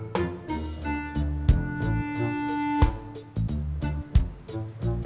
pergi ke sana saja